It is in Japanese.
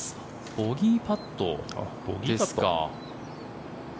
ボギーパットですか。